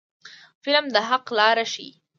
فلم د حق لاره ښيي